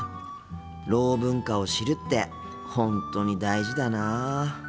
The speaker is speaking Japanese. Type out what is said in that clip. ろう文化を知るって本当に大事だなあ。